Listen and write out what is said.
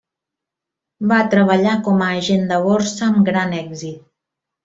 Va treballar com agent de borsa amb gran èxit.